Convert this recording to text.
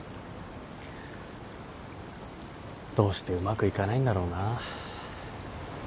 どうしてうまくいかないんだろうなぁ。